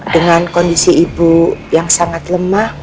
dengan kondisi ibu yang sangat lemah